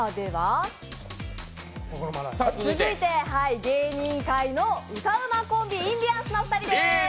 続いて芸人会の歌うまコンビインディアンスのお二人です。